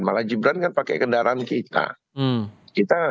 malah gibran kan pakai kendaraan kita